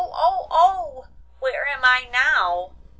oh! oh! Where am I now?